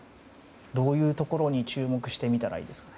どういうところに注目して見たらいいですか？